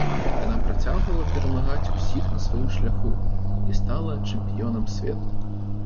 Яна працягвала перамагаць усіх на сваім шляху і стала чэмпіёнам свету.